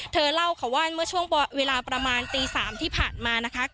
เธอเล่าค่ะว่าเมื่อช่วงเวลาประมาณตี๓ที่ผ่านมานะคะ